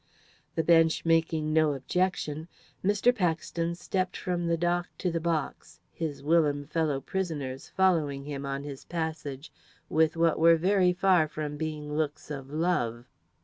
The Bench making no objection, Mr. Paxton stepped from the dock to the box, his whilom fellow prisoners following him on his passage with what were very far from being looks of love.